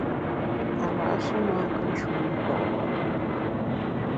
Kara’ sha na nkù nshu nto’.